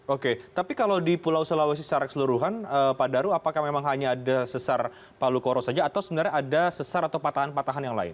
oke tapi kalau di pulau sulawesi secara keseluruhan pak daru apakah memang hanya ada sesar palu koro saja atau sebenarnya ada sesar atau patahan patahan yang lain